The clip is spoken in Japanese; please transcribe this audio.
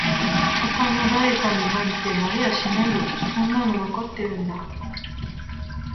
他の誰かになんてなれやしないよそんなのわかってるんだ